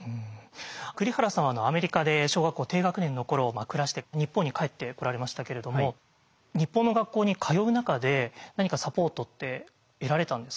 栗原さんはアメリカで小学校低学年の頃暮らして日本に帰ってこられましたけれども日本の学校に通う中で何かサポートって得られたんですか？